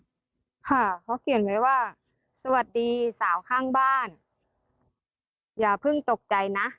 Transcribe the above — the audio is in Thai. ค่ะเขาเขียนไว้ว่าสวัสดีสาวข้างบ้านอย่าเพิ่งตกใจนะ